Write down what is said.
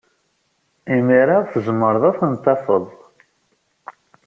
Imir-a, tzemred ad n-tadfed.